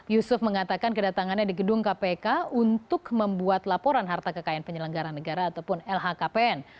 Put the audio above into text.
yusuf mengatakan kedatangannya di gedung kpk untuk membuat laporan harta kekayaan penyelenggara negara ataupun lhkpn